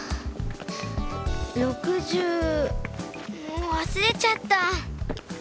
６０もうわすれちゃった。